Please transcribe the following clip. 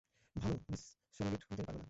ভানু, উনি সারোগেট হতে পারবে না।